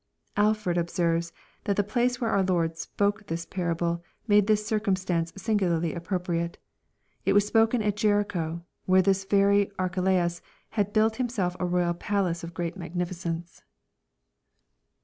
Al fbrd observes that the place where our Lord spoke this parable, made this circumstance singularly appropriate. It was spoken at Jericho, where this very Ai chelaus had built himself a royal pal iM3e of great raagniGcence.